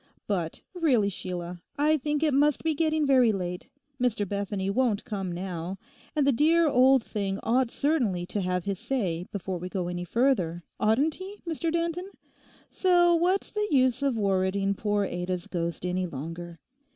But really, Sheila, I think it must be getting very late. Mr Bethany won't come now. And the dear old thing ought certainly to have his say before we go any further; oughtn't he, Mr Danton? So what's the use of worriting poor Ada's ghost any longer.